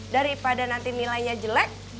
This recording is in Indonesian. daripada nanti nilainya jelek